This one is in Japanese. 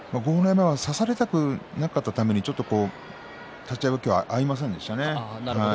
山は差させたくなかったためにちょっと立ち合いが合いませんでしたね。